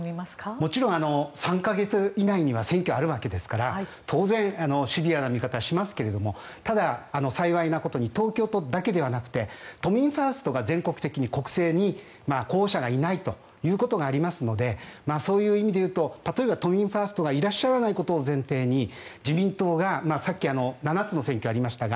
もちろん３か月以内には選挙があるわけですから当然、シビアな見方をしますが幸いなことに東京都だけではなくて都民ファーストが全国的に国政に候補者がいないということがありますのでそういう意味で言うと例えば都民ファーストがいらっしゃらないことを前提に自民党がさっき７つの選挙がありましたが